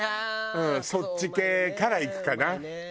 うんそっち系からいくかな。